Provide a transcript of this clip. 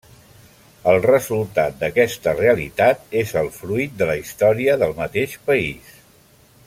El resultat d'aquesta realitat és el fruit de la història del mateix país.